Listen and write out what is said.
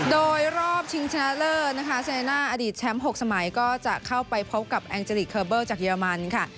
โดยรอบชิงชนะเลิศนะคะเซน่าอดีตแชมป์๖สมัยก็จะเข้าไปพบกับแองเจริกเคอร์เบิลจากเรมันค่ะ